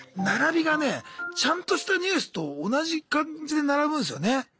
並びがねちゃんとしたニュースと同じ感じで並ぶんですよね。